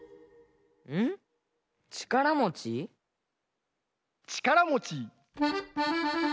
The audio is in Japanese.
「ちからもちちからもち」